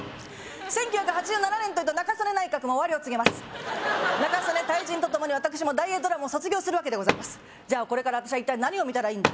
１９８７年というと中曽根内閣も終わりを告げます中曽根退陣とともに私も大映ドラマを卒業するわけでございますじゃあこれから私は一体何を見たらいいんだ？